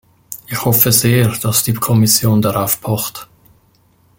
Ich hoffe sehr, dass die Kommission darauf pocht.